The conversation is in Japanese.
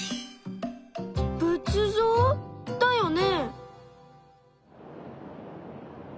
仏像だよね？